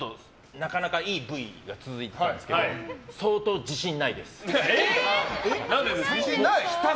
なかなか、いいＶＴＲが続いてるんですけど相当、自信がないです。